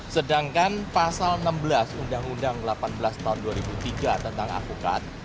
sedangkan pasal enam belas undang undang delapan belas tahun dua ribu tiga tentang avokat